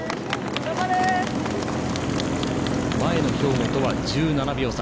前の兵庫とは１７秒差。